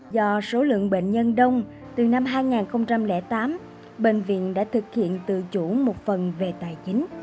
do số lượng bệnh nhân đông từ năm hai nghìn tám bệnh viện đã thực hiện tự chủ một phần về tài chính